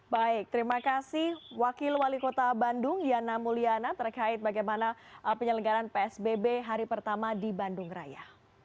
baik terima kasih wakil wali kota bandung yana mulyana terkait bagaimana penyelenggaran psbb hari pertama di bandung raya